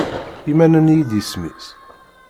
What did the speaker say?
I ma nnan-iyi-d Isem-is?